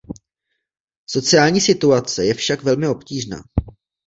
Sociální situace je však velmi obtížná.